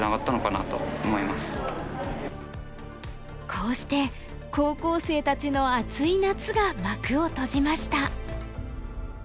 こうして高校生たちの熱い夏が幕を閉じました。